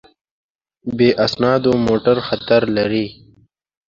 بې اسنادو موټر خطر لري.